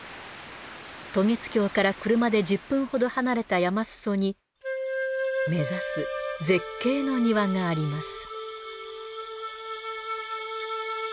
渡月橋から車で１０分ほど離れた山すそに目指す絶景の庭があります。